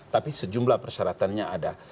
tapi sejumlah persyaratannya ada